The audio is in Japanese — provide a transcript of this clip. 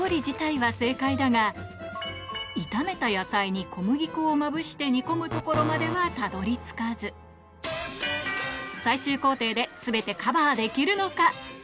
炒めた野菜に小麦粉をまぶして煮込むところまではたどり着かず最終工程で全てカバーできるのか？